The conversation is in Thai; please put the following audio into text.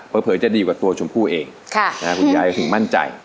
เพราะเผยจะดีกว่าตัวชมพู่เองค่ะนะฮะคุณยายถึงมั่นใจ